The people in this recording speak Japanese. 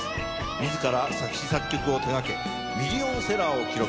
自ら作詞・作曲を手がけミリオンセラーを記録。